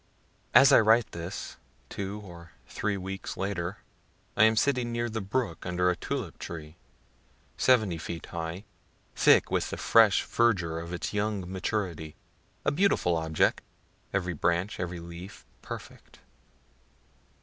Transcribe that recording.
As I write this, two or three weeks later, I am sitting near the brook under a tulip tree, 70 feet high, thick with the fresh verdure of its young maturity a beautiful object every branch, every leaf perfect.